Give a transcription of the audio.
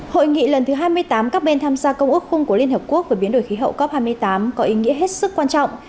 hội nghị lần thứ hai mươi tám các bên tham gia công ước khung của liên hợp quốc về biến đổi khí hậu cop hai mươi tám có ý nghĩa hết sức quan trọng